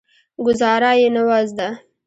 ګوزارا یې نه وه زده.